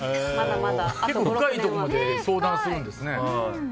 深いところまで相談するんですね。